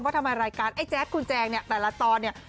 ทำไมรายการไอ้แจ๊ดคุณแจงเนี่ยแต่ละตอนเนี่ย